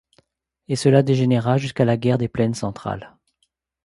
Et cela dégénéra jusqu'à la guerre des plaines centrales.